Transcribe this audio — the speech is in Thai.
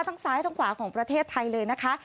ทั้งซ้ายทั้งขวาของประเทศไทยเลยนะคะ